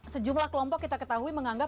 sejumlah kelompok kita ketahui menganggap